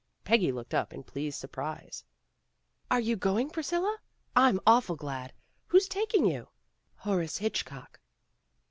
Peggy looked up in pleased surprise. "Are you going, Priscilla? I'm awful glad. Who 's taking you f '' "Horace Hitchcock."